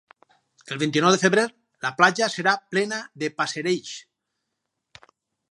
El vint-i-nou de febrer la platja serà plena de passerells.